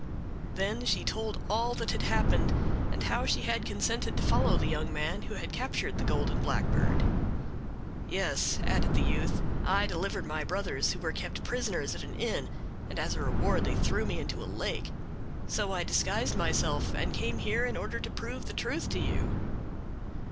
Then she told all that had happened, and how she had consented to follow the young man who had captured the golden blackbird. "Yes," added the youth, "I delivered my brothers, who were kept prisoners in an inn, and as a reward they threw me into a lake. So I disguised myself and came here in order to prove the truth to you.